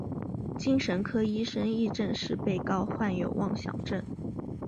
精神科医生亦证实被告患有妄想症。